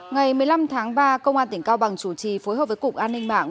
ngày một mươi năm tháng ba công an tỉnh cao bằng chủ trì phối hợp với cục an ninh mạng